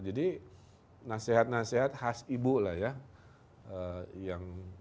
jadi nasihat nasihat khas ibu lah ya